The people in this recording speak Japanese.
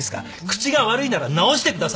口が悪いなら直してください。